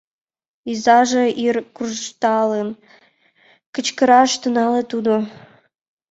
— изаже йыр куржталын, кычкыраш тӱҥале тудо.